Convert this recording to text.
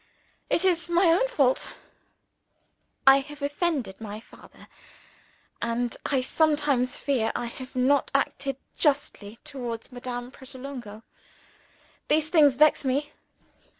It is my own fault. I have offended my father; and I sometimes fear I have not acted justly towards Madame Pratolungo. These things vex me.